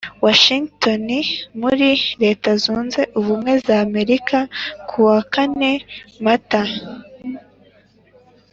Washingitoni muri Leta Zunze Ubumwe za Amerika kuwa kane Mata